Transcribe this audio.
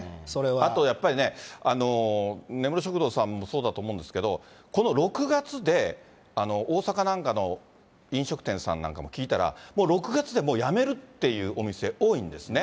あとやっぱりね、根室食堂さんもそうだと思うんですけど、この６月で大阪なんかの飲食店さんなんかも聞いたら、もう６月でもうやめるっていうお店多いんですね。